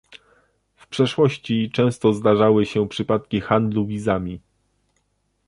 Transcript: W przeszłości często zdarzały się przypadki handlu wizami